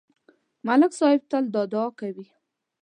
ملک صاحب تل دا دعا کوي.